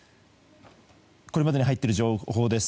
これまでに入っている情報です。